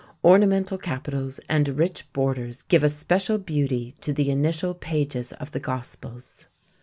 Ornamental capitals and rich borders give a special beauty to the initial pages of the Gospels.